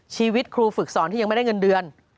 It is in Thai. ชีวิตครูฝึกสอนที่ยังไม่ได้เงินเดือน